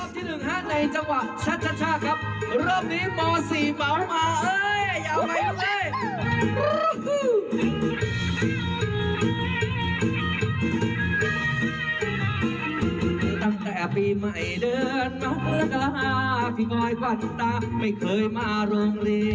ทุกคนจำได้กันไหมโควิดที่กำลังฮิตในเมืองไทย